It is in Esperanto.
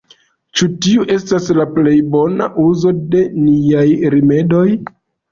Ĉu tiu estas la plej bona uzo de niaj rimedoj?